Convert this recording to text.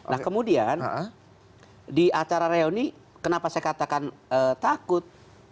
nah kemudian di acara reuni kenapa saya katakan takut